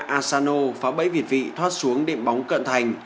asano phá bẫy việt vị thoát xuống điểm bóng cận thành